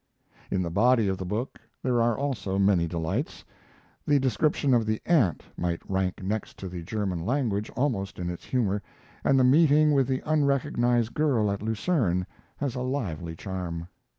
In the body of the book there are also many delights. The description of the ant might rank next to the German language almost in its humor, and the meeting with the unrecognized girl at Lucerne has a lively charm.